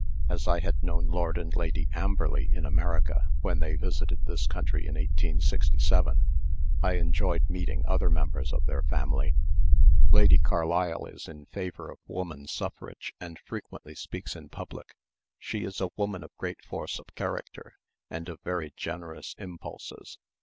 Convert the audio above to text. As I had known Lord and Lady Amberley in America, when they visited this country in 1867, I enjoyed meeting other members of their family. Lady Carlisle is in favor of woman suffrage and frequently speaks in public. She is a woman of great force of character, and of very generous impulses.